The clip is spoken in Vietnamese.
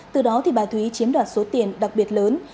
từ đó bà thúy chiếm đoạt số tiền đặc biệt lớn